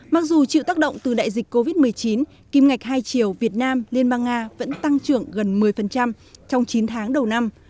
mặc dù chịu tác động từ đại dịch covid một mươi chín kim ngạch hai triệu việt nam liên bang nga vẫn tăng trưởng gần một mươi trong chín tháng đầu năm